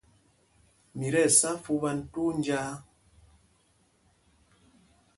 Mi tí ɛsá fupan twóó njāā.